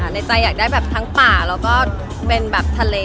ในใจอยากได้แบบทั้งป่าและแบบทะเล